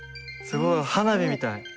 すごい花火みたい。